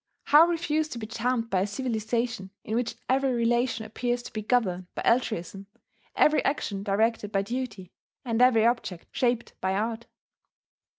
How refuse to be charmed by a civilization in which every relation appears to be governed by altruism, every action directed by duty, and every object shaped by art?